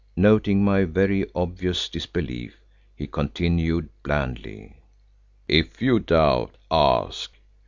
Noting my very obvious disbelief he continued blandly, "If you doubt, ask.